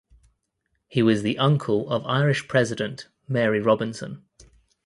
He was the uncle of Irish president Mary Robinson.